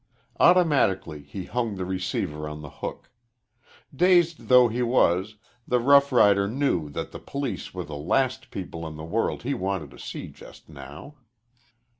Automatically he hung the receiver on the hook. Dazed though he was, the rough rider knew that the police were the last people in the world he wanted to see just now.